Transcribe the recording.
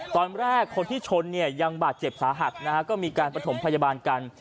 ตอนแรกคนที่ชนเนี่ยยังบาดเจ็บสาหัสนะฮะก็มีการประถมพยาบาลกัน